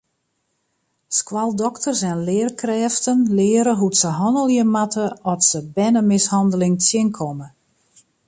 Skoaldokters en learkrêften leare hoe't se hannelje moatte at se bernemishanneling tsjinkomme.